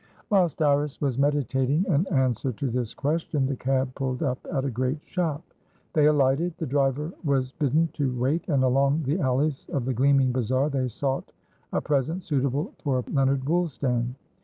Whilst Iris was meditating an answer to this question, the cab pulled up at a great shop. They alighted; the driver was bidden to wait; and along the alleys of the gleaming bazaar they sought a present suitable for Leonard Woolstan.